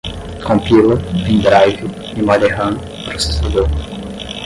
compila, pen drive, memória ram, processador